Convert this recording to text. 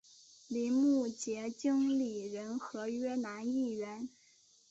林师杰经理人合约男艺员。